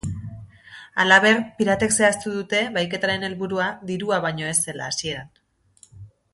Halaber, piratek zehaztu dute bahiketaren helburua dirua baino ez zela hasieran.